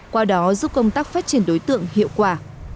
qua đó giúp công tác phát triển đối tượng hiệu quả